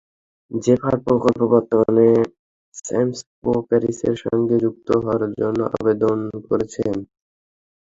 জেফার প্রকল্প বর্তমানে সায়েন্সেস-পো প্যারিসের সঙ্গে যুক্ত হওয়ার জন্যও আবেদন করেছে।